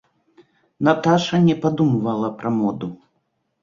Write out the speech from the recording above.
Наташа не падумвала пра моду.